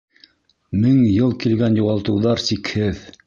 Мең йыл килгән юғалтыуҙар сикһеҙ...